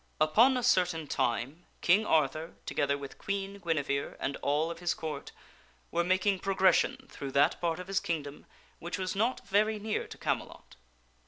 UPON a certain time King Arthur, together with Queen Guinevere and all of his Court, were making progression through that part of his kingdom which was not very near to Camelot.